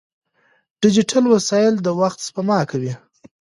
ډیجیټل وسایل د وخت سپما کوي.